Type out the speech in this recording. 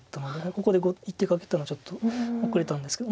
ここで１手かけたのはちょっと後れたんですけど。